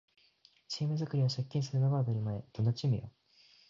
チーム作りは借金するのが当たり前